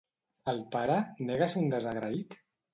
El pare nega ser un desagraït?